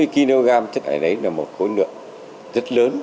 bốn mươi kg chất thải nhựa là một khối lượng rất lớn